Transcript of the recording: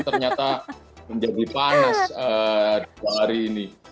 ternyata menjadi panas dua hari ini